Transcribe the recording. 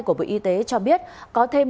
của bộ y tế cho biết có thêm